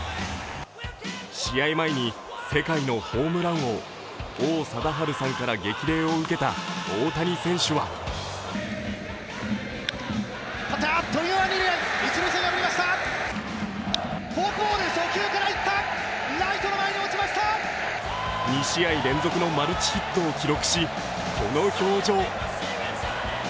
試合前に世界のホームラン王王貞治さんから激励を受けた大谷選手は２試合連続の、マルチヒットを記録し、この表情。